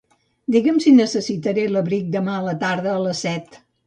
Digue'm si necessitaré l'abric demà a la tarda a les set.